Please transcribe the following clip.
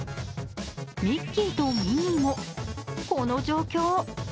ミッキーとミニーもこの状況。